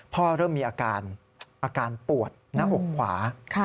พ่อเริ่มมีอาการปวดหน้าอกขวา